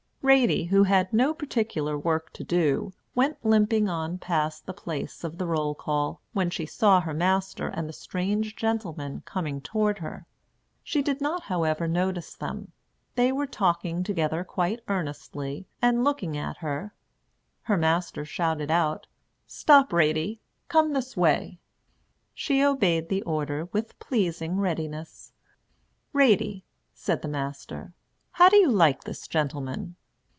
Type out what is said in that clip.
Ratie, who had no particular work to do, went limping on past the place of the roll call, when she saw her master and the strange gentleman coming toward her. She did not, however, notice them. They were talking together quite earnestly, and looking at her. Her master called out, "Stop, Ratie; come this way." She obeyed the order with pleasing readiness. "Ratie," said the master, "how do you like this gentleman?"